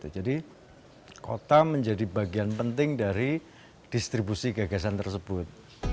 jadi kota menjadi bagian penting dari distribusi gagasan tersebut